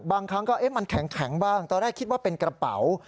บางครั้งก็มันแข็งบ้างตอนแรกคิดว่าเป็นกระเป๋า